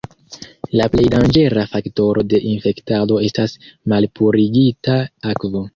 La plej danĝera faktoro de infektado estas malpurigita akvo.